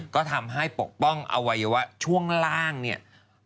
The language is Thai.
ก็ทำให้ปกป้องอวัยวะช่วงล่างเนี่ย